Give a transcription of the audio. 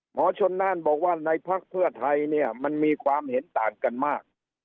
หมอชนน่านบอกว่าในภักดิ์เพื่อไทยเนี่ยมันมีความเห็นต่างกันมาก